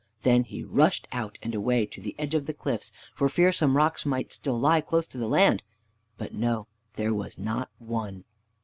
Then he rushed out and away to the edge of the cliffs for fear some rocks might still lie close to the land. But no, there was not one.